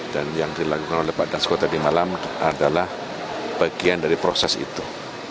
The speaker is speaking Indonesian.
dan yang dilakukan oleh pak dasko tadi malam adalah bagian dari proses itu